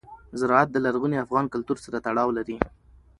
زراعت د لرغوني افغان کلتور سره تړاو لري.